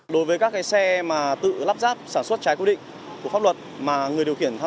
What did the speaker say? đối với các xe tự lắp ráp sản xuất trái cố định của pháp luật